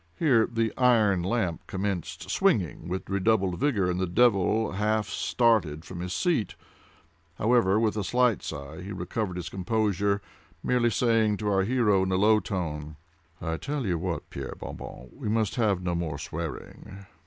Here the iron lamp commenced swinging with redoubled violence, and the devil half started from his seat;—however, with a slight sigh, he recovered his composure, merely saying to our hero in a low tone: "I tell you what, Pierre Bon Bon, we must have no more swearing."